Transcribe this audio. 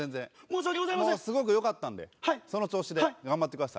もうすごくよかったんでその調子で頑張ってください。